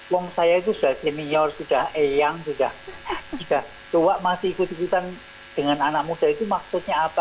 wong saya itu sudah senior sudah eyang sudah tua masih ikut ikutan dengan anak muda itu maksudnya apa